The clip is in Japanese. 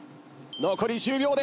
残り１０秒です。